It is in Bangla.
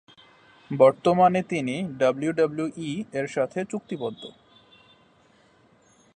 বর্তমানে তিনি ডব্লিউডব্লিউই-এর সাথে চুক্তিবদ্ধ।